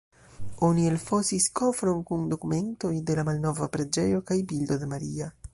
Oni elfosis kofron kun dokumentoj de la malnova preĝejo kaj bildo de Maria.